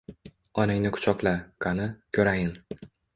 Onangni kuchoqla, qani, ko'rayin.